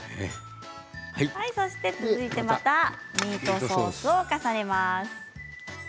続いてまたミートソースを重ねます。